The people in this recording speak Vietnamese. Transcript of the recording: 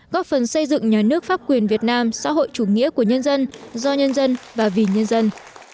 góp phần xây dựng nhà nước pháp quyền việt nam xã hội chủ nghĩa của nhân dân do nhân dân và vì nhân dân